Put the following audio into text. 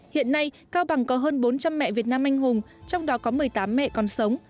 hiện nay cao bằng có hơn bốn trăm linh mẹ việt nam anh hùng trong đó có một mươi tám mẹ còn sống